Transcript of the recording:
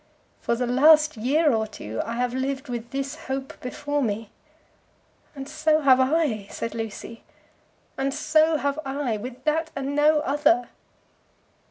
"For the last year or two I have lived with this hope before me." "And so have I," said Lucy. "And so have I; with that and no other."